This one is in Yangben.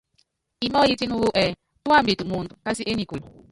Imɔyítíni wú ɛɛ tuambitɛ mɔɔnd kási énikúlu.